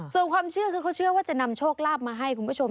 ส่วนความเชื่อคือเขาเชื่อว่าจะนำโชคลาภมาให้คุณผู้ชม